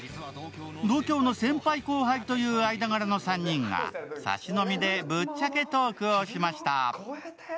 同郷の先輩後輩という間柄の３人が差し飲みで、ぶっちゃけトークをしました。